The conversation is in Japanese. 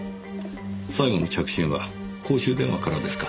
最後の着信は公衆電話からですか。